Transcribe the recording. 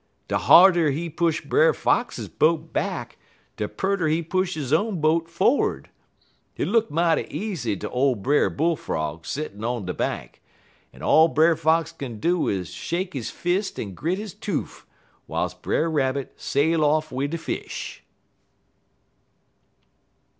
De harder he push Brer Fox boat back, de pearter he push he own boat forrerd. Hit look mighty easy ter ole Brer Bull frog settin' on de bank, en all Brer Fox kin do is ter shake he fist en grit he toof, w'iles Brer Rabbit sail off wid de fish."